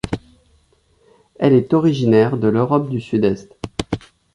Elle est originaire de l'Europe du Sud-Est.